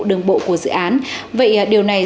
đường bộ của dự án vậy điều này